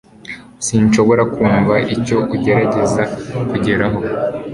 sinshobora kumva icyo ugerageza kugeraho